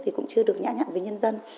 thì cũng chưa được nhã nhặn với nhân dân